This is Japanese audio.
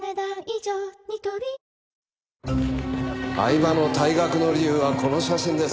饗庭の退学の理由はこの写真です。